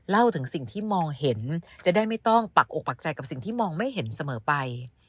เล่าถึงสิ่งที่มองเห็นจะได้ไม่ต้องปักอกปักใจกับสิ่งที่มองไม่เห็นเสมอไป